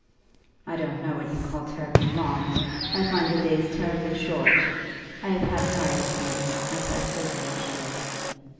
"I don't know what you call terribly long. I find the days terribly short. I have had Harry with me, as I told you I should."